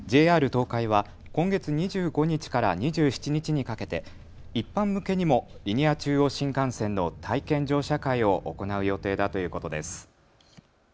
ＪＲ東海は今月２５日から２７日にかけて一般向けにもリニア中央新幹線の体験乗車会を行う予定だということです。